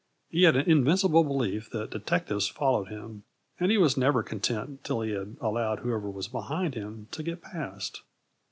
He had an invincible belief that detectives followed him, and he was never content till he had allowed whoever was behind him to get past.